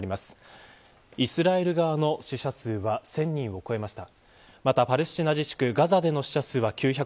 イスラエル側の死者数は１０００人を超えました。